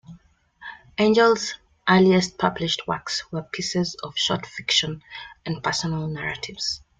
Angell's earliest published works were pieces of short fiction and personal narratives.